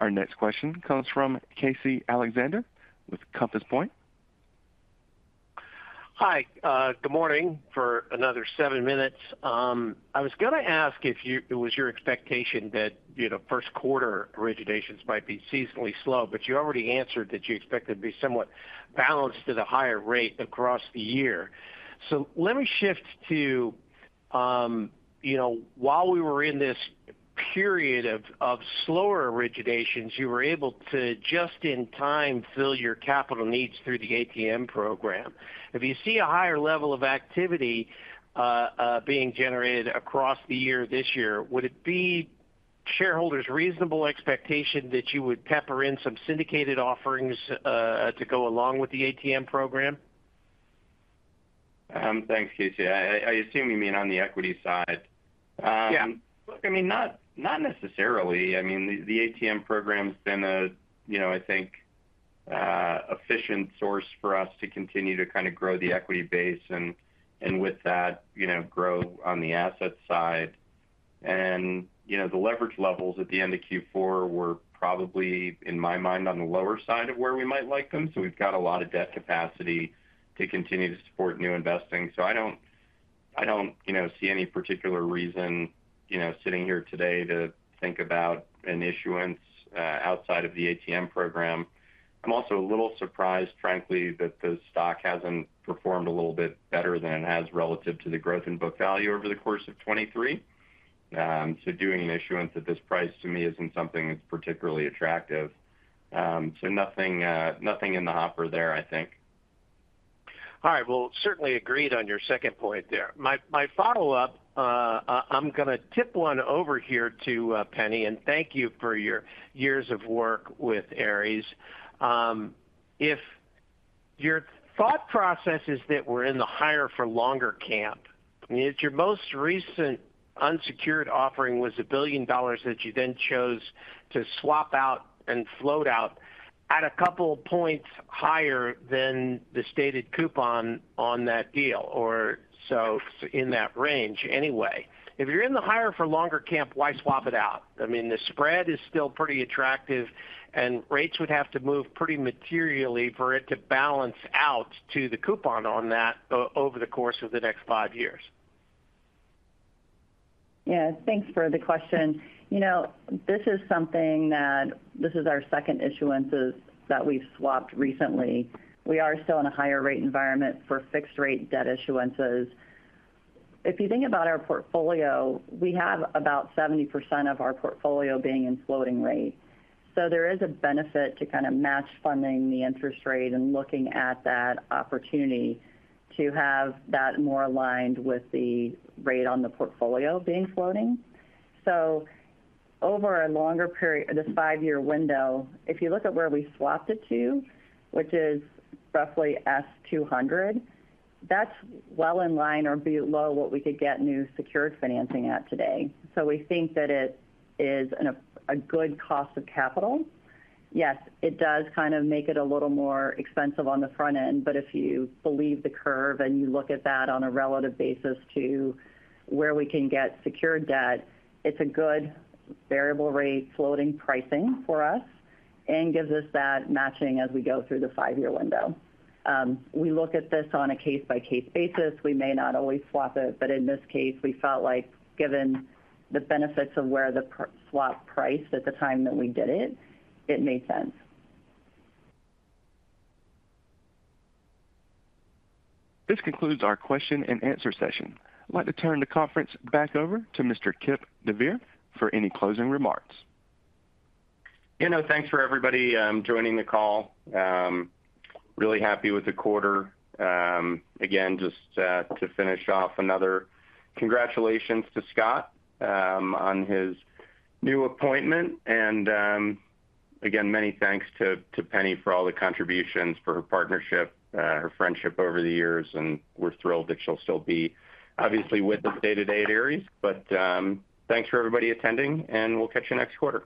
Our next question comes from Casey Alexander with Compass Point. Hi, good morning for another seven minutes. I was gonna ask if it was your expectation that, you know, first quarter originations might be seasonally slow, but you already answered that you expect it to be somewhat balanced at a higher rate across the year. So let me shift to, you know, while we were in this period of slower originations, you were able to, just in time, fill your capital needs through the ATM program. If you see a higher level of activity being generated across the year this year, would it be shareholders' reasonable expectation that you would pepper in some syndicated offerings to go along with the ATM program? Thanks, Casey. I assume you mean on the equity side. Um, yeah. Look, I mean, not, not necessarily. I mean, the ATM program's been a, you know, I think, efficient source for us to continue to kinda grow the equity base and, and with that, you know, grow on the asset side. And, you know, the leverage levels at the end of Q4 were probably, in my mind, on the lower side of where we might like them. So we've got a lot of debt capacity to continue to support new investing. So I don't, I don't, you know, see any particular reason, you know, sitting here today to think about an issuance, outside of the ATM program. I'm also a little surprised, frankly, that the stock hasn't performed a little bit better than it has relative to the growth in book value over the course of 2023. So doing an issuance at this price to me isn't something that's particularly attractive. So nothing in the hopper there, I think. All right. Well, certainly agreed on your second point there. My follow-up, I'm gonna tip one over here to Penni, and thank you for your years of work with Ares. Your thought processes that were in the higher for longer camp, I mean, it's your most recent unsecured offering was $1 billion that you then chose to swap out and float out at a couple of points higher than the stated coupon on that deal, or so in that range anyway. If you're in the higher for longer camp, why swap it out? I mean, the spread is still pretty attractive, and rates would have to move pretty materially for it to balance out to the coupon on that over the course of the next five years. Yeah, thanks for the question. You know, this is something that this is our second issuances that we've swapped recently. We are still in a higher rate environment for fixed rate debt issuances. If you think about our portfolio, we have about 70% of our portfolio being in floating rate. So there is a benefit to kind of match funding the interest rate and looking at that opportunity to have that more aligned with the rate on the portfolio being floating. So over a longer period, this 5-year window, if you look at where we swapped it to, which is roughly S 200, that's well in line or below what we could get new secured financing at today. So we think that it is a good cost of capital. Yes, it does kind of make it a little more expensive on the front end, but if you believe the curve and you look at that on a relative basis to where we can get secured debt, it's a good variable rate, floating pricing for us and gives us that matching as we go through the five-year window. We look at this on a case-by-case basis. We may not always swap it, but in this case, we felt like given the benefits of where the swap priced at the time that we did it, it made sense. This concludes our question and answer session. I'd like to turn the conference back over to Mr. Kipp deVeer for any closing remarks. You know, thanks for everybody joining the call. Really happy with the quarter. Again, just to finish off, another congratulations to Scott on his new appointment. And again, many thanks to Penni for all the contributions, for her partnership, her friendship over the years, and we're thrilled that she'll still be obviously with us day-to-day at Ares. But thanks for everybody attending, and we'll catch you next quarter.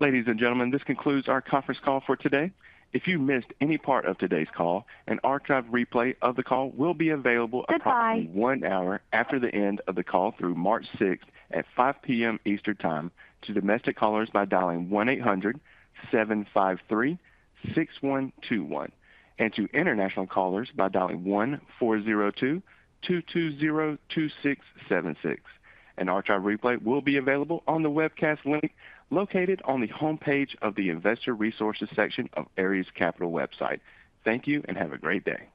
Ladies and gentlemen, this concludes our conference call for today. If you missed any part of today's call, an archive replay of the call will be available. Goodbye Approximately one hour after the end of the call through March 6 at 5 P.M. Eastern Time to domestic callers by dialing 1-800-753-6121 and to international callers by dialing 1-402-222-0676. An archive replay will be available on the webcast link located on the homepage of the Investor Resources section of Ares Capital website. Thank you and have a great day.